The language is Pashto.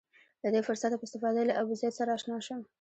له دې فرصته په استفادې له ابوزید سره اشنا شم.